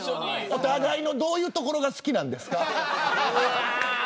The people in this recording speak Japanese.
お互いのどういうところが好きなんですか。